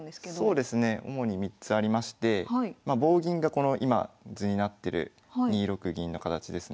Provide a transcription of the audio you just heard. そうですね主に３つありましてまあ棒銀がこの今図になってる２六銀の形ですね。